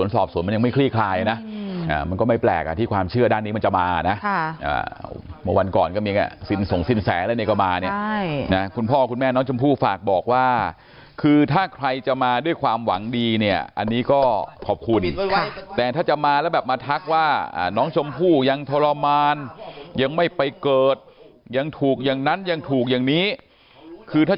สอบสวนมันยังไม่คลี่คลายนะมันก็ไม่แปลกอ่ะที่ความเชื่อด้านนี้มันจะมานะเมื่อวันก่อนก็มีสินส่งสินแสอะไรเนี่ยก็มาเนี่ยนะคุณพ่อคุณแม่น้องชมพู่ฝากบอกว่าคือถ้าใครจะมาด้วยความหวังดีเนี่ยอันนี้ก็ขอบคุณแต่ถ้าจะมาแล้วแบบมาทักว่าน้องชมพู่ยังทรมานยังไม่ไปเกิดยังถูกอย่างนั้นยังถูกอย่างนี้คือถ้า